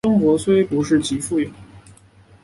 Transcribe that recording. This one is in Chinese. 生活虽不是极富有